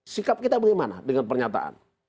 sikap kita bagaimana dengan pernyataan